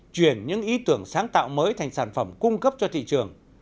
chuyển những ý tưởng sáng tạo mới thành sản phẩm cung cấp cho thị trường